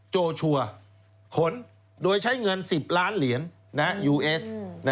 โชชัวร์ขนโดยใช้เงิน๑๐ล้านเหรียญยูเอส